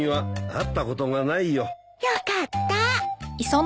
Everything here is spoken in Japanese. よかった。